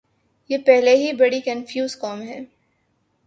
یہ پہلے ہی بڑی کنفیوز قوم ہے۔